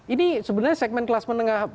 ini sebenarnya segmen kelas menengah